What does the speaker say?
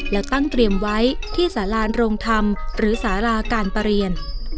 แล้วตั้งเตรียมไว้ที่สารานโรงธรรมหรือสาราการประเรียน